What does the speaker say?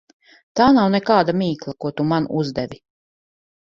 Tā nav nekāda mīkla, ko tu man uzdevi.